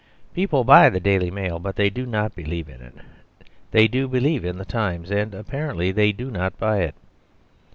People buy the DAILY MAIL, but they do not believe in it. They do believe in the TIMES, and (apparently) they do not buy it.